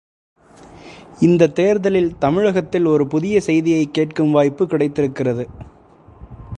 இந்தத் தேர்தலில் தமிழகத்தில் ஒரு புதிய செய்தியைக் கேட்கும் வாய்ப்புக் கிடைத்திருக்கிறது.